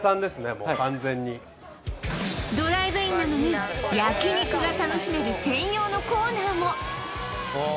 もう完全にドライブインなのに焼肉が楽しめる専用のコーナーもああ